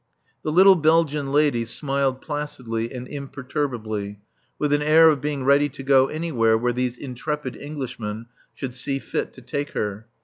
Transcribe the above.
The little Belgian lady smiled placidly and imperturbably, with an air of being ready to go anywhere where these intrepid Englishmen should see fit to take her.